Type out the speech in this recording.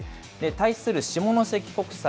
対する下関国際。